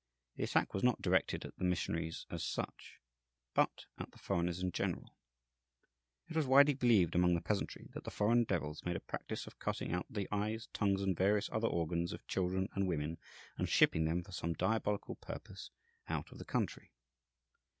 The attack was not directed at the missionaries as such, but at the foreigners in general. It was widely believed among the peasantry that the foreign devils made a practice of cutting out the eyes, tongues, and various other organs of children and women and shipping them, for some diabolical purpose, out of the country.